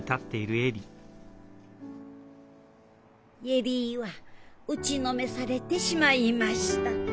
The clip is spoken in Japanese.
恵里は打ちのめされてしまいました。